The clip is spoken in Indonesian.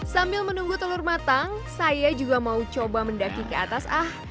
sambil menunggu telur matang saya juga mau coba mendaki ke atas ah